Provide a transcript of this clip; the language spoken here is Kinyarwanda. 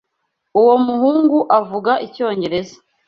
Uwo muhungu avuga icyongereza.